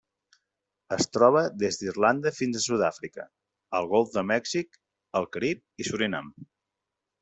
Es troba des d'Irlanda fins a Sud-àfrica, al Golf de Mèxic, el Carib i Surinam.